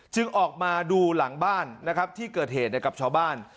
ออกมาดูหลังบ้านนะครับที่เกิดเหตุกับชาวบ้าน